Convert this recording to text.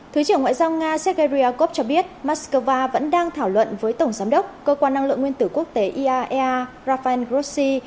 thứ trưởng ngoại giao nga sergei ryakov cho biết moscow vẫn đang thảo luận với tổng giám đốc cơ quan năng lượng nguyên tử quốc tế iaea rafael grossi